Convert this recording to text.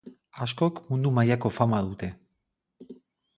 Askok mundu mailako fama dute.